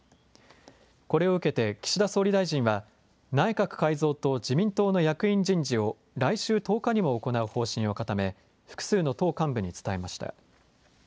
これを受けて岸田総理大臣は内閣改造と自民党の役員人事を来週１０日にも行う方針を固め複数の党幹部に伝えました。